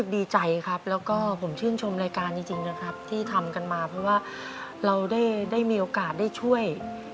ดีใจครับแล้วก็ผมชื่นชมรายการจริงนะครับที่ทำกันมาเพราะว่าเราได้มีโอกาสได้ช่วย